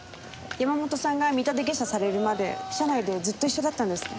山本さんが水戸で下車されるまで車内でずっと一緒だったんですね。